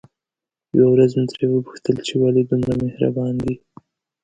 يوه ورځ مې ترې وپوښتل چې ولې دومره مهربانه دي؟